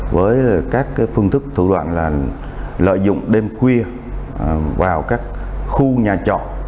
với các phương thức thủ đoạn là lợi dụng đêm khuya vào các khu nhà trọ